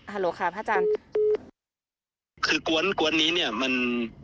ภาธาจรรย์นิดนึงค่ะวันนี้มัน